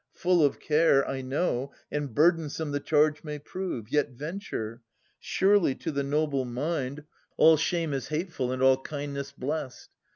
Full of care, I know, and burdensome the charge may prove. Yet venture! Surely to the noble mind 284 Philodetes [476 504 All shame is hateful and all kindness blest.